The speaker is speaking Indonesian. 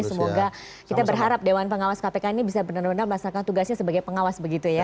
semoga kita berharap dewan pengawas kpk ini bisa benar benar melaksanakan tugasnya sebagai pengawas begitu ya